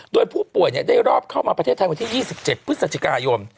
โดยผู้ป่วยได้รอบเข้ามาประเทศไทยวันที่๒๗พฤศจิกายน